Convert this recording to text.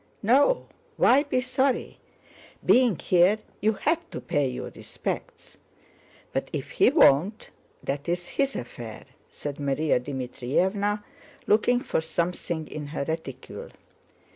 "No, why be sorry? Being here, you had to pay your respects. But if he won't—that's his affair," said Márya Dmítrievna, looking for something in her reticule.